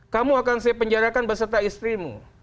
kamu akan saya penjarakan beserta istrimu